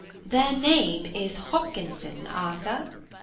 "Their name is Hopkinson, Arthur."